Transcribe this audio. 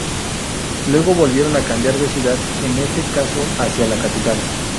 Luego volvieron a cambiar de ciudad, en este caso hacia la capital.